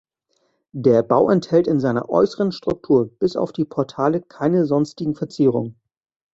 Der Bau enthält in seiner äußeren Struktur bis auf die Portale keine sonstigen Verzierungen.